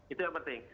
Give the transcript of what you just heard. itu yang penting